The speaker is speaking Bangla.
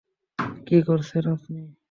কি করছেন আপনি?